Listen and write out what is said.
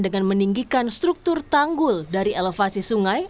dengan meninggikan struktur tanggul dari elevasi sungai